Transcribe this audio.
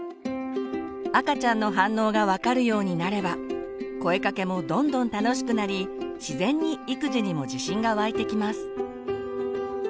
赤ちゃんの反応が分かるようになれば声かけもどんどん楽しくなり自然に育児にも自信が湧いてきます。